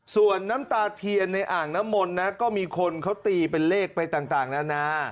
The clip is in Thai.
ส่วนน้ำตาเทียนในอ่างน้ำมนต์นะก็มีคนเขาตีเป็นเลขไปต่างนานา